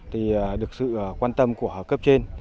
thì được sự quan tâm của cấp trên